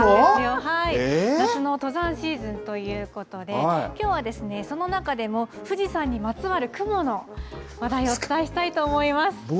えー！夏の登山シーズンということで、きょうはその中でも富士山にまつわる雲の話題をお伝えしたいと思います。